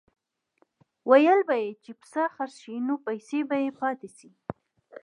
ویل به یې چې پسه خرڅ شي خو پیسې به یې پاتې شي.